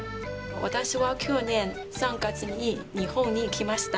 私は去年３月に日本に来ました。